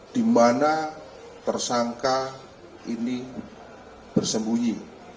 di mana tersangka ini bersembunyi